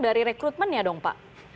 dari rekrutmennya dong pak